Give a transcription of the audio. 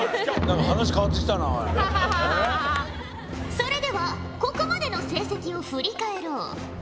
それではここまでの成績を振り返ろう。